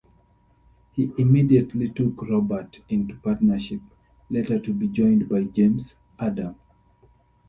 He immediately took Robert into partnership, later to be joined by James Adam.